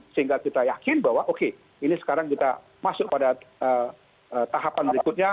sehingga kita yakin bahwa oke ini sekarang kita masuk pada tahapan berikutnya